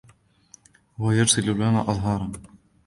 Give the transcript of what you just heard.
هو يرسل لنا أزهارا.